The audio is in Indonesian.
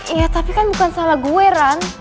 iya tapi kan bukan salah gue kan